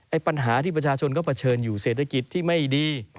ปัญหาที่ประชาชนเขาเผชิญอยู่เศรษฐกิจที่ไม่ดี